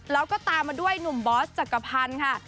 แล้วก็ตามมาด้วยหนุ่มบอสจักรพันธ์ค่ะ